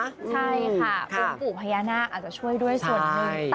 ใช่ค่ะองค์ปู่พญานาคอาจจะช่วยด้วยส่วนหนึ่ง